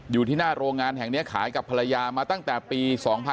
อยู่ที่หน้าโรงงานแห่งนี้ขายกับภรรยามาตั้งแต่ปี๒๕๕๙